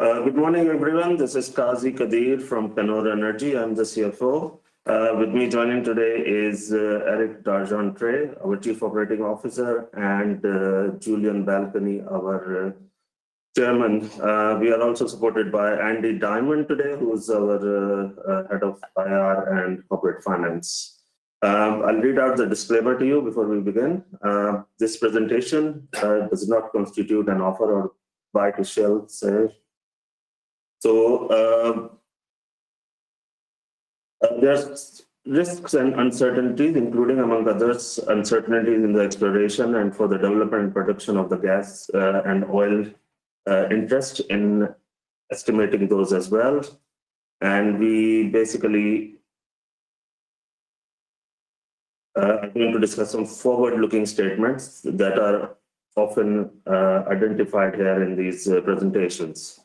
Good morning, everyone. This is Qazi Qadeer from Panoro Energy. I'm the CFO. With me joining today is Eric d'Argentré, our Chief Operating Officer, and Julien Balkany, our Chairman. We are also supported by Andy Diamond today, who is our Head of IR and Corporate Finance. I'll read out the disclaimer to you before we begin. This presentation does not constitute an offer or buy to sell. There's risks and uncertainties, including, among others, uncertainties in the exploration and for the development and production of the gas and oil interest in estimating those as well. We basically are going to discuss some forward-looking statements that are often identified here in these presentations.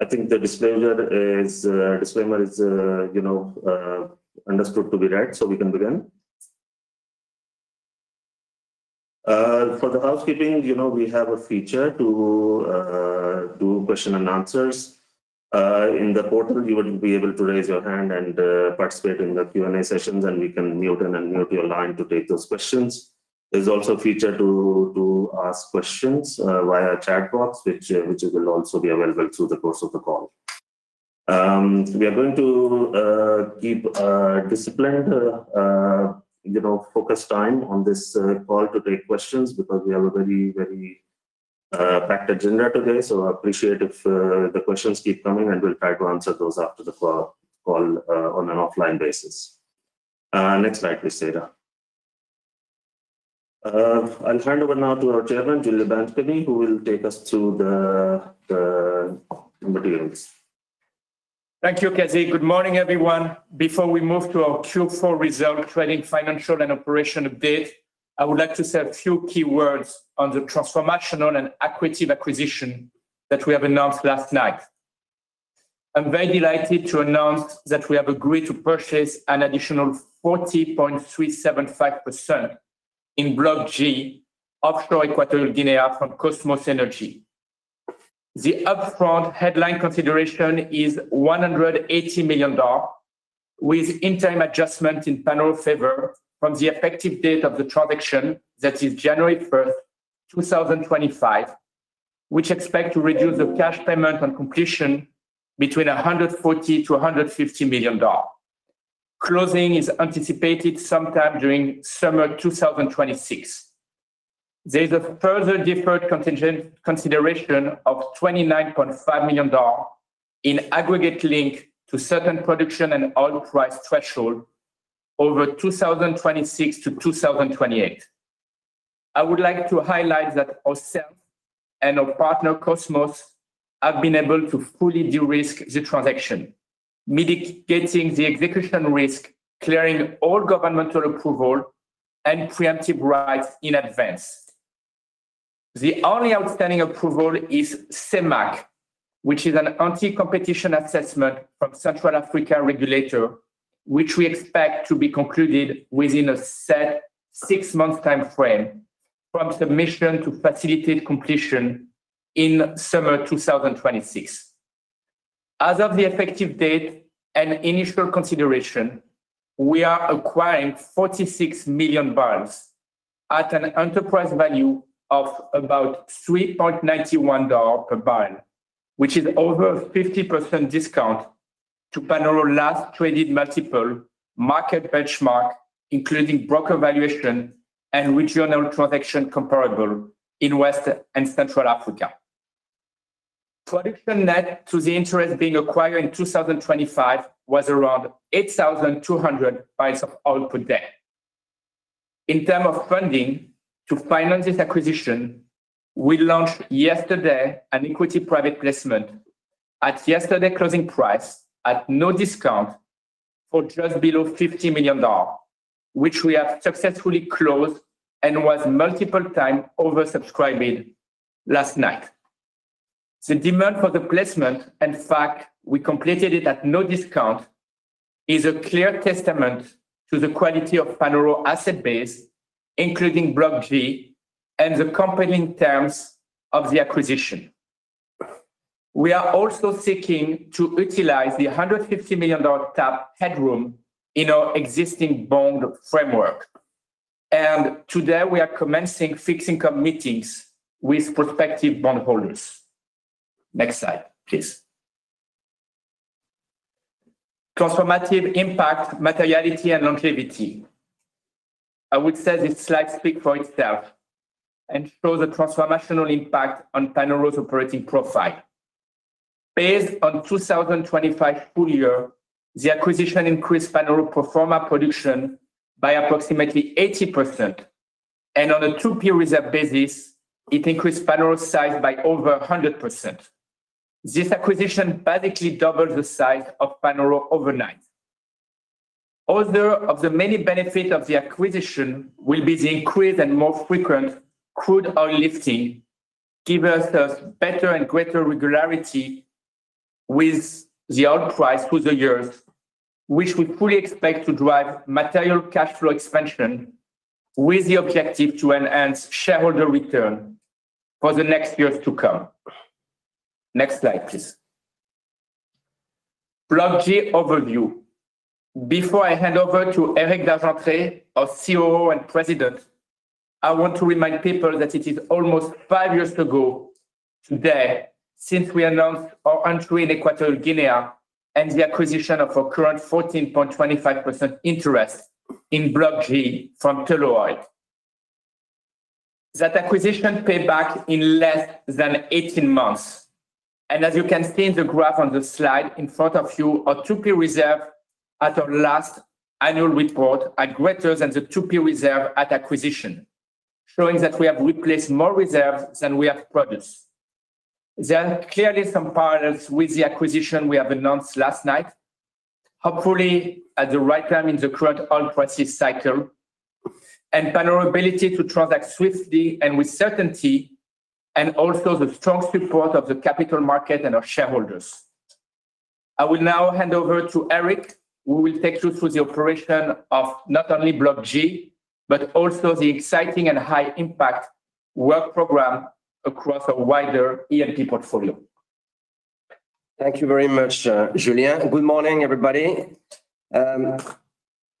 I think the disclaimer is, you know, understood to be right, so we can begin. For the housekeeping, you know, we have a feature to do question and answers. In the portal, you will be able to raise your hand and participate in the Q&A sessions, and we can mute your line to take those questions. There's also a feature to ask questions via chat box, which will also be available through the course of the call. We are going to keep a disciplined, you know, focused time on this call to take questions because we have a very, very packed agenda today. I appreciate if the questions keep coming, and we'll try to answer those after the call on an offline basis. Next slide, please, Sarah. I'll hand over now to our Chairman, Julien Balkany, who will take us through the materials. Thank you, Qazi. Good morning, everyone. Before we move to our Q4 result trading, financial, and operation update, I would like to say a few key words on the transformational and accretive acquisition that we have announced last night. I'm very delighted to announce that we have agreed to purchase an additional 40.375% in Block G, offshore Equatorial Guinea, from Kosmos Energy. The upfront headline consideration is $180 million, with interim adjustment in Panoro favor from the effective date of the transaction, that is January 1st, 2025, which expect to reduce the cash payment on completion between $140 million-$150 million. Closing is anticipated sometime during summer 2026. There's a further deferred contingent consideration of $29.5 million in aggregate link to certain production and oil price threshold over 2026-2028. I would like to highlight that ourselves and our partner, Kosmos, have been able to fully de-risk the transaction, mitigating the execution risk, clearing all governmental approval and preemptive rights in advance. The only outstanding approval is CEMAC, which is an anti-competition assessment from Central African regulator, which we expect to be concluded within a set 6-month timeframe from submission to facilitate completion in summer 2026. As of the effective date and initial consideration, we are acquiring 46 million barrels at an enterprise value of about $3.91 per barrel, which is over 50% discount to Panoro last traded multiple market benchmark, including broker valuation and regional transaction comparable in West and Central Africa. Production net to the interest being acquired in 2025 was around 8,200 barrels of oil per day. In term of funding, to finance this acquisition, we launched yesterday an equity private placement at yesterday closing price at no discount for just below $50 million, which we have successfully closed and was multiple time oversubscribed last night. The demand for the placement, in fact, we completed it at no discount, is a clear testament to the quality of Panoro asset base, including Block G, and the compelling terms of the acquisition. We are also seeking to utilize the $150 million cap headroom in our existing bond framework. Today we are commencing fixed-income meetings with prospective bondholders. Next slide, please. Transformative impact, materiality, and longevity. I would say this slide speaks for itself and shows a transformational impact on Panoro's operating profile. Based on 2025 full year, the acquisition increased Panoro pro forma production by approximately 80%. On a true period basis, it increased Panoro's size by over 100%. This acquisition basically doubled the size of Panoro overnight. Other of the many benefits of the acquisition will be the increased and more frequent crude oil lifting, give us a better and greater regularity. with the oil price through the years, which we fully expect to drive material cash flow expansion with the objective to enhance shareholder return for the next years to come. Next slide, please. Block G overview. Before I hand over to Eric d'Argentré, our COO and President, I want to remind people that it is almost five years ago today since we announced our entry in Equatorial Guinea and the acquisition of our current 14.25% interest in Block G from Tullow Oil. That acquisition paid back in less than 18 months, and as you can see in the graph on the slide in front of you, our 2P reserve at our last annual report are greater than the 2P reserve at acquisition, showing that we have replaced more reserves than we have produced. There are clearly some parallels with the acquisition we have announced last night, hopefully at the right time in the current oil price cycle, and Panoro ability to transact swiftly and with certainty, and also the strong support of the capital market and our shareholders. I will now hand over to Eric, who will take you through the operation of not only Block G, but also the exciting and high-impact work program across a wider E&P portfolio. Thank you very much, Julien. Good morning, everybody.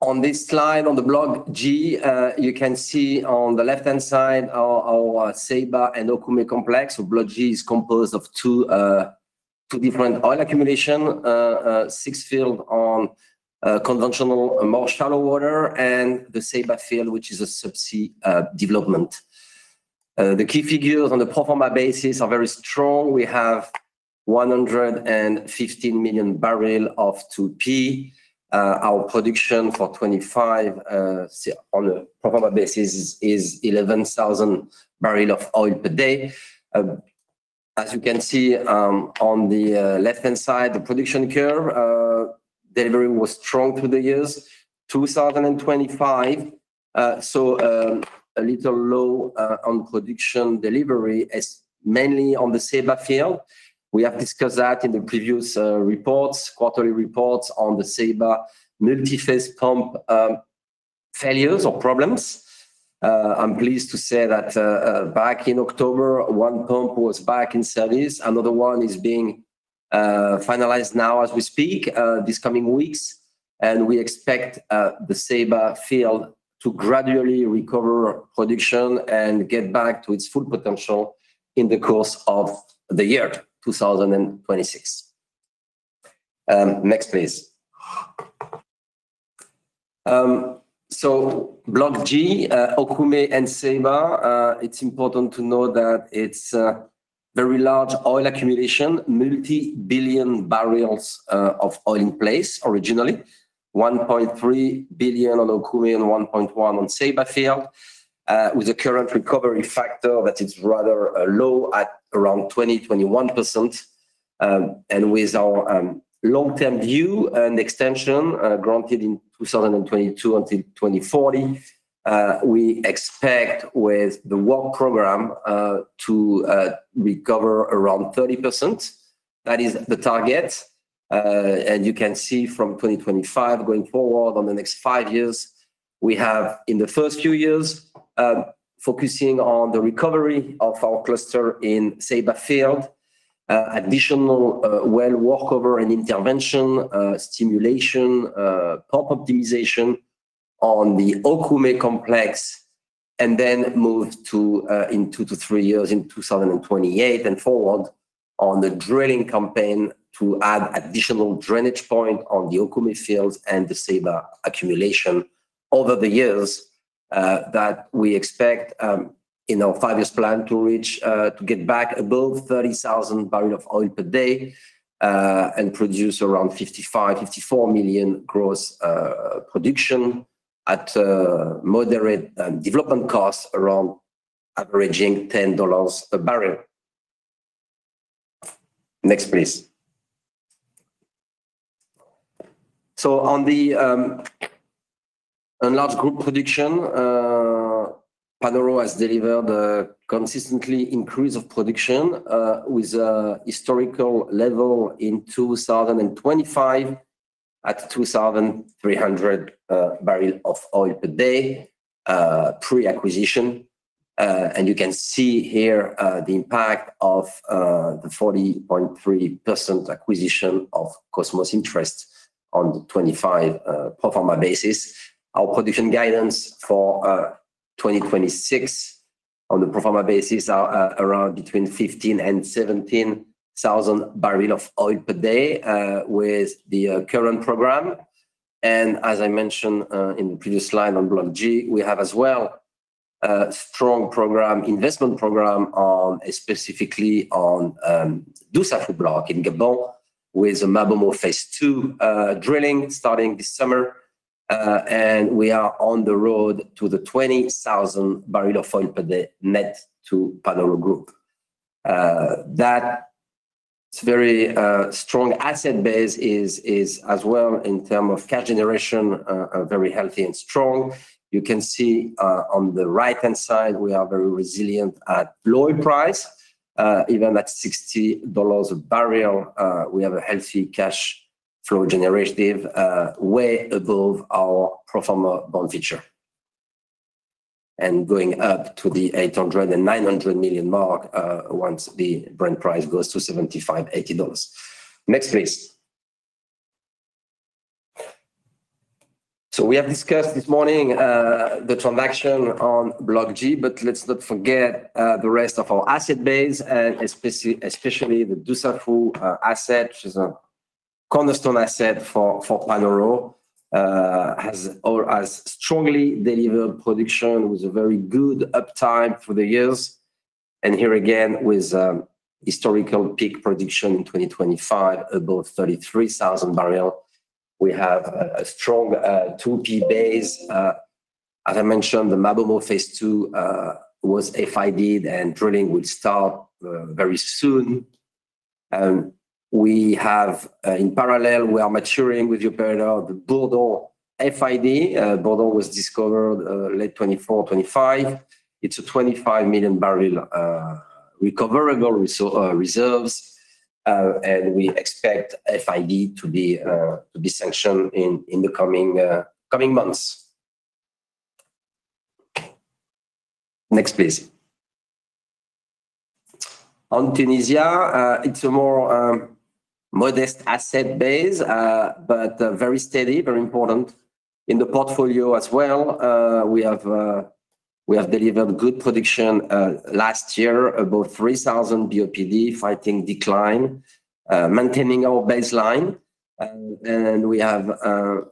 On this slide, on the Block G, you can see on the left-hand side our Ceiba and Okume complex. Block G is composed of two different oil accumulation, six field on conventional and more shallow water, and the Ceiba field, which is a subsea development. The key figures on the pro forma basis are very strong. We have 115 million barrel of 2P. Our production for 25 on a pro forma basis is 11,000 barrel of oil per day. As you can see, on the left-hand side, the production curve delivery was strong through the years. 2025 a little low on production delivery is mainly on the Ceiba field. We have discussed that in the previous reports, quarterly reports on the Ceiba multiphase pump failures or problems. I'm pleased to say that back in October, one pump was back in service. Another one is being finalized now as we speak, these coming weeks. We expect the Ceiba field to gradually recover production and get back to its full potential in the course of the year 2026. Next, please. Block G, Okume and Ceiba, it's important to know that it's a very large oil accumulation, multi-billion barrels of oil in place. Originally, 1.3 billion on Okume and 1.1 on Ceiba field. With the current recovery factor, that is rather low at around 20%-21%. With our long-term view and extension, granted in 2022 until 2040, we expect with the work program to recover around 30%. That is the target. You can see from 2025 going forward on the next 5 years, we have, in the first few years, focusing on the recovery of our cluster in Ceiba field, additional well workover and intervention, stimulation, pump optimization on the Okume complex, then move to in 2 years-3 years, in 2028 and forward, on the drilling campaign to add additional drainage point on the Okume fields and the Ceiba accumulation. Over the years, that we expect, in our five-years plan to reach, to get back above 30,000 barrel of oil per day, and produce around 55 million, 54 million gross production at moderate development costs around averaging $10 a barrel. Next, please. On the enlarged group production, Panoro has delivered a consistently increase of production, with a historical level in 2025 at 2,300 barrels of oil per day, pre-acquisition. And you can see here, the impact of the 40.3% acquisition of Kosmos interest on the 25 pro forma basis. Our production guidance for 2026 on the pro forma basis are around between 15,000 and 17,000 barrel of oil per day, with the current program. As I mentioned, in the previous slide on Block G, we have as well a strong program, investment program on, specifically on, Dussafu Block in Gabon, with a MaBoMo phase II drilling starting this summer. We are on the road to the 20,000 barrel of oil per day net to Panoro Group. That very strong asset base is as well, in term of cash generation, very healthy and strong. You can see, on the right-hand side, we are very resilient at low oil price. Even at $60 a barrel, we have a healthy cash flow generative way above our pro forma bond feature. Going up to the $800 million-$900 million mark, once the Brent price goes to $75-$80. Next, please. We have discussed this morning the transaction on Block G, but let's not forget the rest of our asset base, and especially the Dussafu asset, which is a cornerstone asset for Panoro, has strongly delivered production with a very good uptime through the years, and here again, with historical peak production in 2025, above 33,000 barrel. We have a strong 2P base. As I mentioned, the MaBoMo phase II was FID, and drilling will start very soon. We have in parallel, we are maturing with your partner, the Bourdon FID. Bourdon was discovered late 2024-2025. It's a 25 million barrel recoverable reserves, and we expect FID to be sanctioned in the coming months. Next, please. On Tunisia, it's a more modest asset base, but very steady, very important in the portfolio as well. We have delivered good production last year, about 3,000 BOPD, fighting decline, maintaining our baseline. We have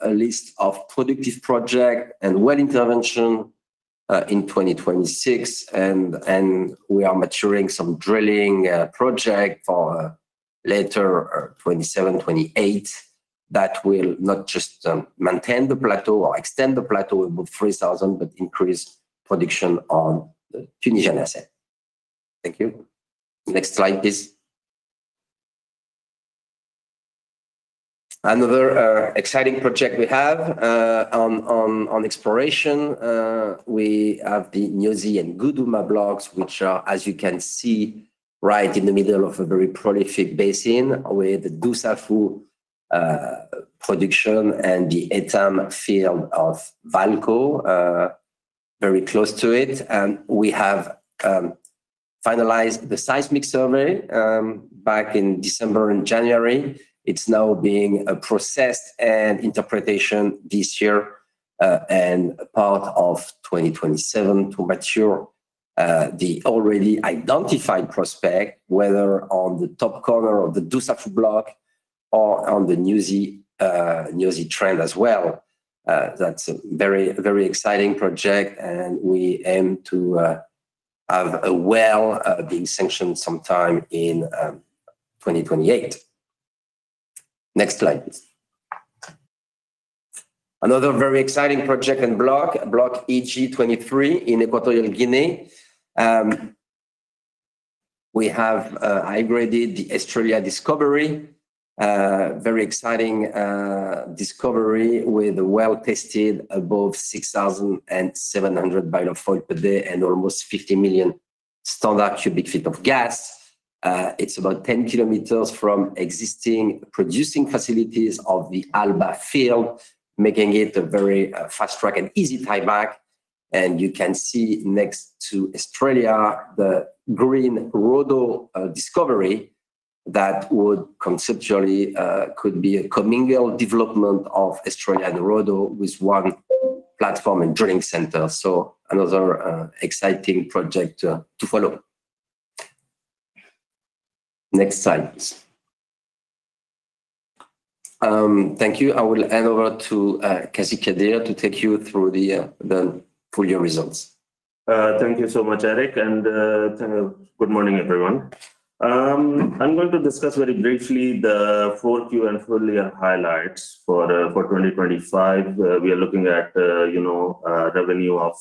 a list of productive project and well intervention in 2026, and we are maturing some drilling project for later 2027, 2028, that will not just maintain the plateau or extend the plateau above 3,000, but increase production on the Tunisian asset. Thank you. Next slide, please. Another exciting project we have on exploration. We have the Niosi and Guduma blocks, which are, as you can see, right in the middle of a very prolific basin, with the Dussafu production and the Etame field of Vaalco Energy very close to it. We have finalized the seismic survey back in December and January. It's now being processed and interpretation this year, and part of 2027 to mature the already identified prospect, whether on the top corner of the Dussafu block or on the Niosi trend as well. That's a very, very exciting project, and we aim to have a well being sanctioned sometime in 2028. Next slide, please. Another very exciting project and block, Block EG-23 in Equatorial Guinea. We have upgraded the Australe discovery. Very exciting discovery with a well-tested above 6,700 barrel of oil per day and almost 50 million standard cubic feet of gas. It's about 10 kilometers from existing producing facilities of the Alba Field, making it a very fast-track and easy tieback. You can see next to Australe, the green Bourdon discovery that would conceptually could be a commingled development of Australe and Bourdon with one platform and drilling center. Another exciting project to follow. Next slide. Thank you. I will hand over to Qazi Qadeer to take you through the full year results. Thank you so much, Eric, and good morning, everyone. I'm going to discuss very briefly the full year and full year highlights for 2025. We are looking at, you know, revenue of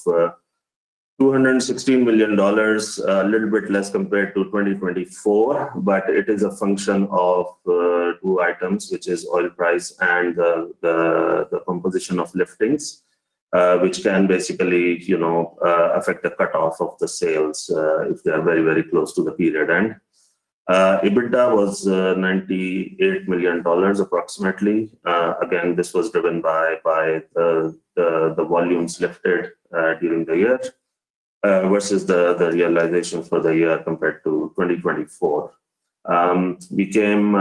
$216 million, a little bit less compared to 2024, but it is a function of two items, which is oil price and the composition of liftings, which can basically, you know, affect the cut off of the sales if they are very, very close to the period end. EBITDA was $98 million, approximately. Again, this was driven by the volumes lifted during the year versus the realization for the year compared to 2024. We came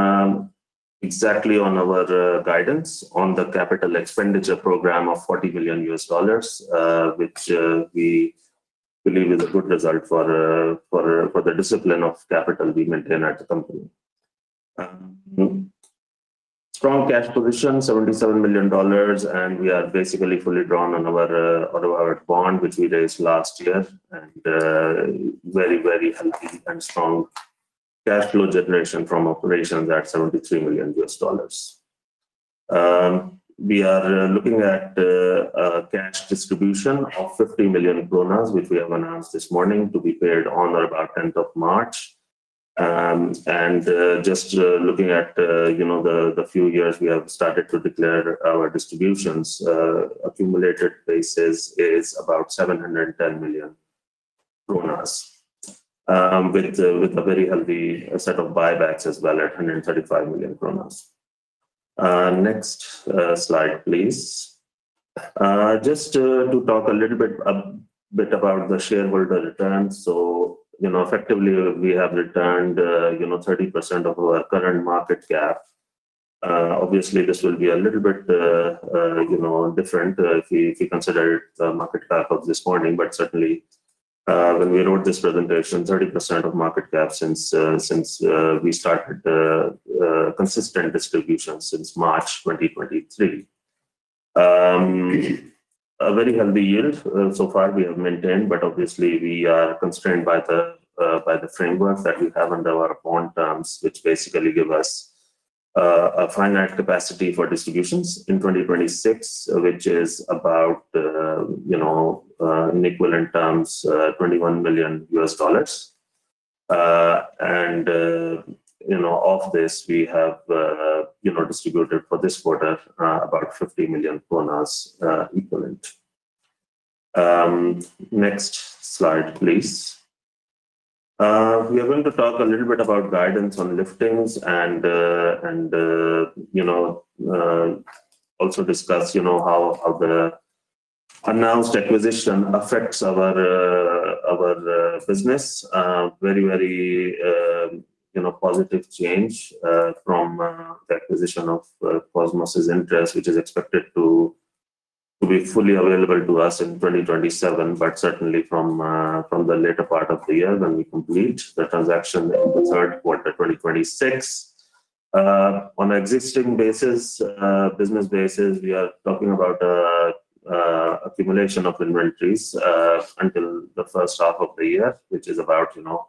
exactly on our guidance on the capital expenditure program of $40 billion, which we believe is a good result for the discipline of capital we maintain at the company. Strong cash position, $77 million, and we are basically fully drawn out of our bond, which we raised last year, and very healthy and strong cash flow generation from operations at $73 million. We are looking at a cash distribution of 50 million kroner, which we have announced this morning, to be paid on or about 10th of March. Just looking at, you know, the few years we have started to declare our distributions, accumulated basis is about 710 million. Kronas, with a very healthy set of buybacks as well, at 135 million kroner. Next slide, please. Just to talk a little bit about the shareholder returns. You know, effectively, we have returned, you know, 30% of our current market cap. Obviously, this will be a little bit, you know, different, if you consider the market cap of this morning. Certainly, when we wrote this presentation, 30% of market cap since we started the consistent distribution since March 2023. A very healthy yield, so far we have maintained, obviously we are constrained by the framework that we have under our bond terms, which basically give us a finite capacity for distributions in 2026, which is about, you know, in equivalent terms, $21 million. You know, of this, we have, you know, distributed for this quarter, about 50 million kroner equivalent. Next slide, please. We are going to talk a little bit about guidance on liftings and, you know, also discuss, you know, how the announced acquisition affects our business. Very, very, you know, positive change from the acquisition of Kosmos's interest, which is expected to be fully available to us in 2027, but certainly from the later part of the year, when we complete the transaction in the third quarter 2026. On existing basis, business basis, we are talking about accumulation of inventories until the first half of the year, which is about, you know,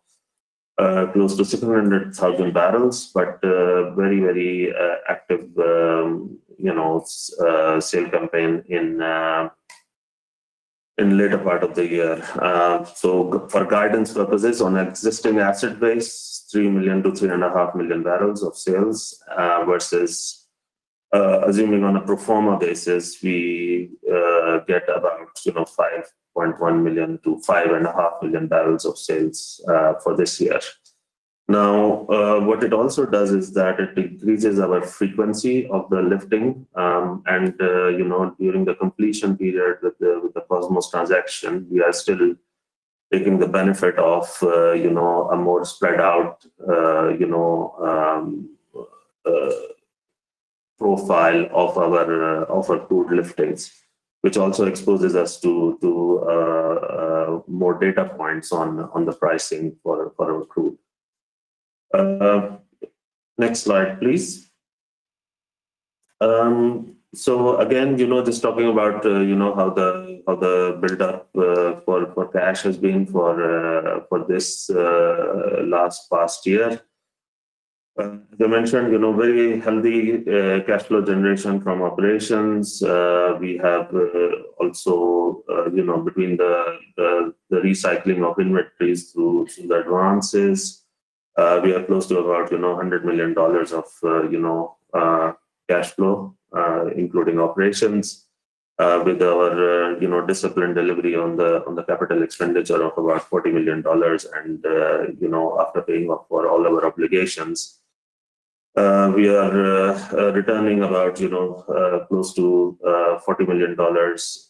close to 600,000 barrels, but very, very active, you know, sale campaign in later part of the year. For guidance purposes, on existing asset base, 3 million-3.5 million barrels of sales versus assuming on a pro forma basis, we get about, you know, 5.1 million-5.5 million barrels of sales for this year. What it also does is that it increases our frequency of the lifting. You know, during the completion period with the Kosmos transaction, we are still taking the benefit of, you know, a more spread out, you know, profile of our crude liftings, which also exposes us to more data points on the pricing for our crude. Next slide, please. Again, you know, just talking about, you know, how the, how the buildup, for cash has been for this, last past year. As I mentioned, you know, very healthy, cash flow generation from operations. We have, also, you know, between the, the recycling of inventories through the advances, we are close to about, you know, $100 million of, you know, cash flow, including operations. With our, you know, disciplined delivery on the, on the capital expenditure of about $40 million and, you know, after paying off for all our obligations, we are returning about, you know, close to $40 million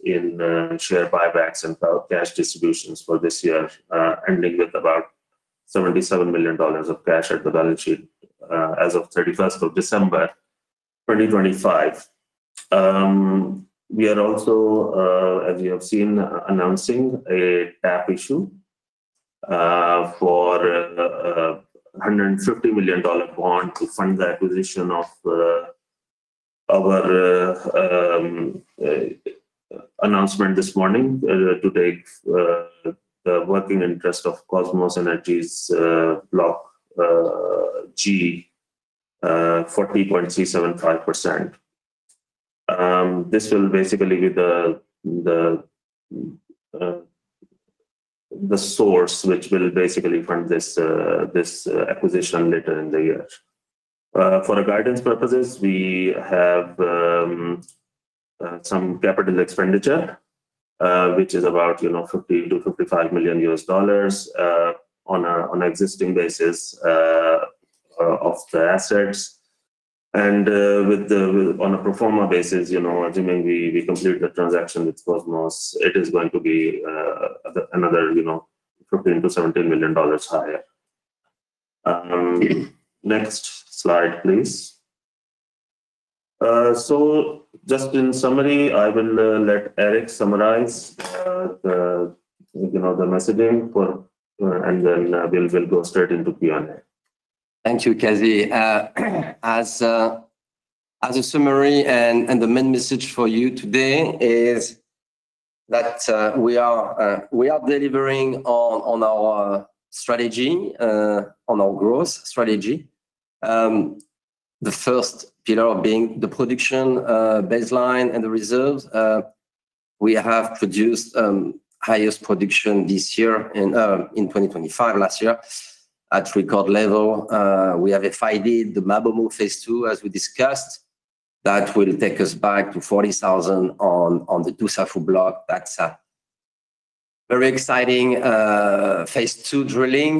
in share buybacks and cash distributions for this year, ending with about $77 million of cash at the balance sheet as of 31st of December 2025. We are also, as you have seen, announcing a tap issue for a $150 million bond to fund the acquisition of our announcement this morning to take the working interest of Kosmos Energy's Block G, 40.375%. This will basically be the source which will basically fund this acquisition later in the year. For the guidance purposes, we have some capital expenditure, which is about, you know, $50 million-$55 million, on a, on existing basis of the assets. On a pro forma basis, you know, assuming we complete the transaction with Kosmos, it is going to be another, you know, $15 million-$17 million higher. Next slide, please. Just in summary, I will let Eric summarize the, you know, the messaging for, and then we'll go straight into Q&A. Thank you, Qazi. as a summary and the main message for you today is that we are delivering on our strategy, on our growth strategy. The first pillar being the production baseline and the reserves. We have produced highest production this year in 2025, last year, at record level. We have FID the MaBoMo phase II, as we discussed that will take us back to 40,000 on the Dussafu block. That's a very exciting phase II drilling.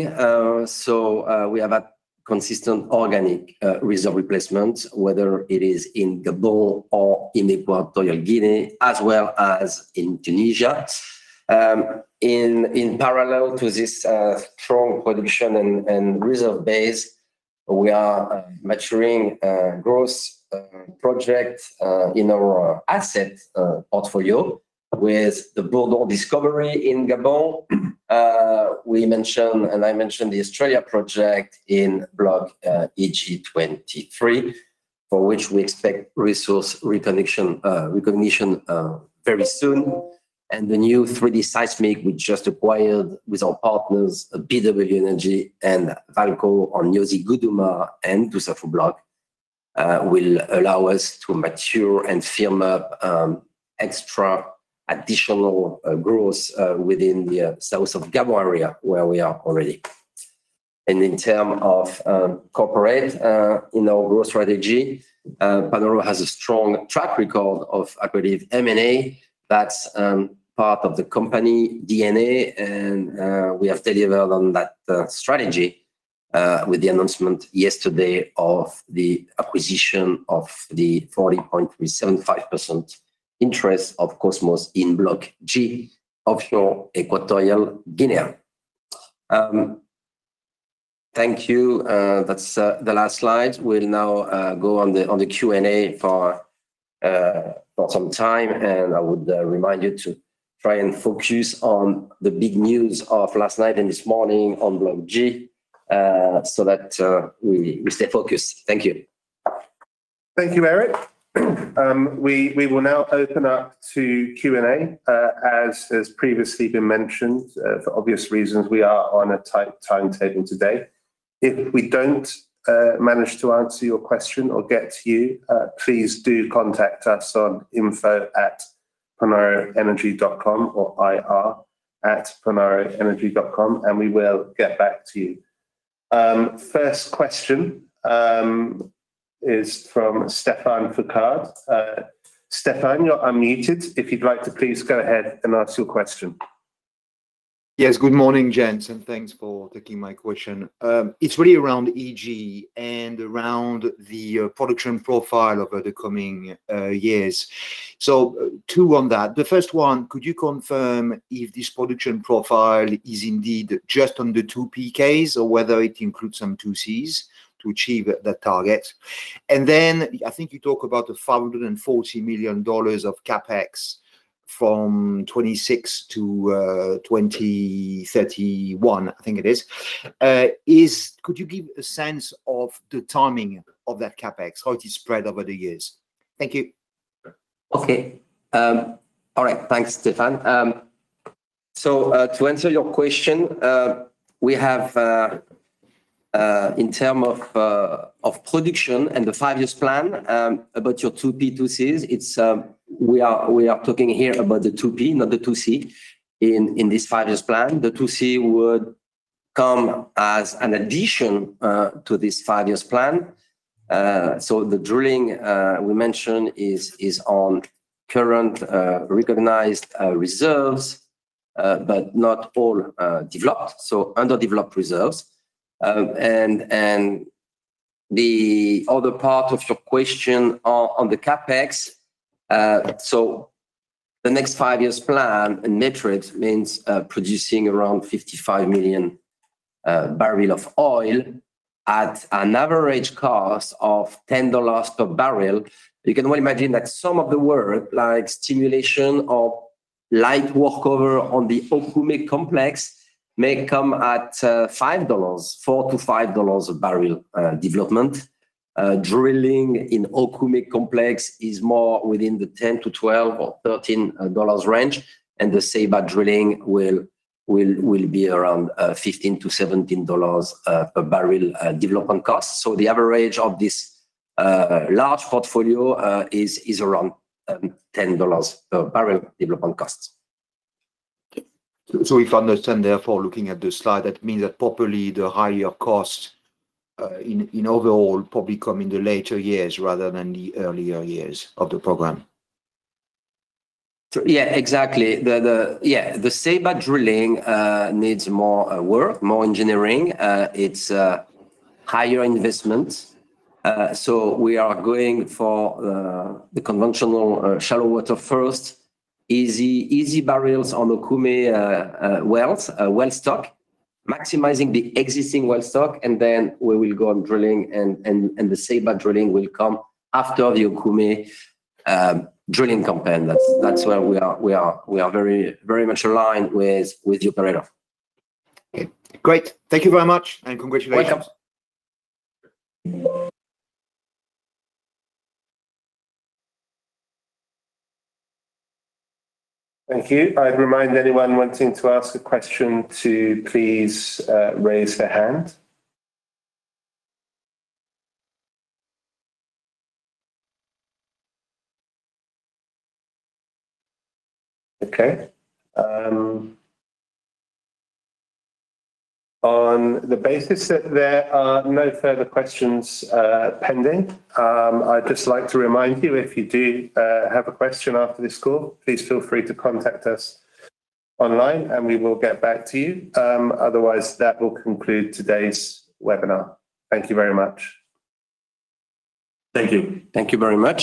We have a consistent organic reserve replacement, whether it is in Gabon or in Equatorial Guinea, as well as in Tunisia. In parallel to this strong production and reserve base, we are maturing growth projects in our asset portfolio with the Bourdon discovery in Gabon. We mentioned, and I mentioned the Australe project in Block EG-23, for which we expect resource recognition very soon. The new 3D seismic we just acquired with our partners, BW Energy and Vaalco Energy, on Niosi-Guduma and Dussafu Block, will allow us to mature and firm up extra additional growth within the south of Gabon area, where we are already. In term of corporate in our growth strategy, Panoro has a strong track record of accretive M&A. That's part of the company DNA. We have delivered on that strategy with the announcement yesterday of the acquisition of the 40.375% interest of Kosmos in Block G offshore Equatorial Guinea. Thank you. That's the last slide. We'll now go on the Q&A for some time. I would remind you to try and focus on the big news of last night and this morning on Block G so that we stay focused. Thank you. Thank you, Eric. We will now open up to Q&A. As previously been mentioned, for obvious reasons, we are on a tight timetable today. If we don't manage to answer your question or get to you, please do contact us on info@panoroenergy.com or ir@panoroenergy.com, and we will get back to you. First question is from Stéphane Foucaud. Stephane, you're unmuted. If you'd like to, please go ahead and ask your question. Yes. Good morning, gents, and thanks for taking my question. It's really around EG and around the production profile over the coming years. Two on that. The first one, could you confirm if this production profile is indeed just on the 2P case or whether it includes some 2C to achieve the target? Then I think you talk about the $440 million of CapEx from 2026 to 2031, I think it is. Could you give a sense of the timing of that CapEx, how it is spread over the years? Thank you. Okay. All right. Thanks, Stephane. To answer your question, we have in term of production and the five-years plan, about your 2P, 2C, it's we are talking here about the 2P, not the 2C. In this five-years plan, the 2C would come as an addition to this five-years plan. The drilling we mentioned is on current recognized reserves, but not all developed, so underdeveloped reserves. The other part of your question on the CapEx, the next five-years plan, netrid means producing around 55 million barrel of oil at an average cost of $10 per barrel. You can well imagine that some of the work, like stimulation or light well workover on the Okume Complex, may come at $5, $4-$5 a barrel development. Drilling in Okume Complex is more within the $10-$12 or $13 range, and the Ceiba drilling will be around $15-$17 per barrel development cost. The average of this large portfolio is around $10 per barrel development costs. If I understand, therefore, looking at the slide, that means that properly, the higher cost, in overall, probably come in the later years rather than the earlier years of the program. Exactly. The Ceiba drilling needs more work, more engineering. It's a higher investment. We are going for the conventional shallow water first, easy barrels on Okume wells, well stock, maximizing the existing well stock, and then we will go on drilling, and the Ceiba drilling will come after the Okume drilling campaign. That's where we are very much aligned with the operator. Okay, great. Thank you very much. Congratulations. Welcome. Thank you. I'd remind anyone wanting to ask a question to please raise their hand. Okay, on the basis that there are no further questions pending, I'd just like to remind you, if you do have a question after this call, please feel free to contact us online, and we will get back to you. Otherwise, that will conclude today's webinar. Thank you very much. Thank you. Thank you very much.